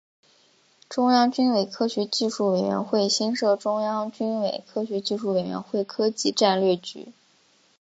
中央军委科学技术委员会新设中央军委科学技术委员会科技战略局。